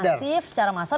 secara masif secara masam